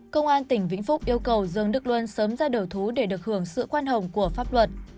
công an tỉnh vĩnh phúc yêu cầu dương đức luân sớm ra đầu thú để được hưởng sự khoan hồng của pháp luật